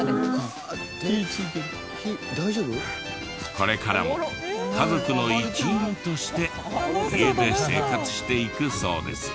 これからも家族の一員として家で生活していくそうですよ。